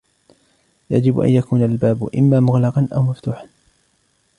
يجب أن يكون الباب إما مغلقا أو مفتوحا.